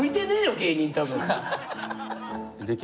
芸人多分。